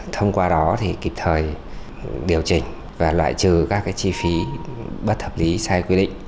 thông qua đó thì kịp thời điều chỉnh và loại trừ các chi phí bất hợp lý sai quy định